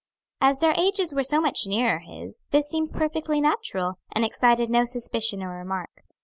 As their ages were so much nearer his this seemed perfectly natural, and excited no suspicion or remark.